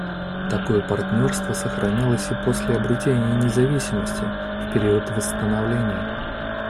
Такое партнерство сохранялось и после обретения независимости, в период восстановления.